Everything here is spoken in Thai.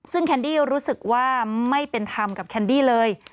ซึ่งแคนดี้รู้สึกว่าไม่เป็นธรรมกับแคนดี้เลย